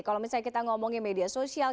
kalau misalnya kita ngomongin media sosial